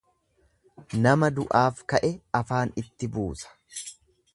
Nama du'aaf ka'e afaan itti buusa.